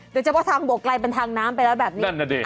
เดี๋ยวเจอว่าทางบกอะไรเป็นทางน้ำไปแล้วแบบนี้นั่นน่ะเนี้ย